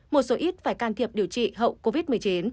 một số ít phải can thiệp điều trị hậu covid một mươi chín